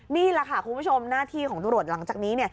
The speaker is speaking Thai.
นี่แหละค่ะคุณผู้ชมหน้าที่ของตำรวจหลังจากนี้